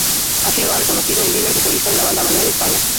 Así lo ha reconocido el líder y solista de la banda, Manuel España.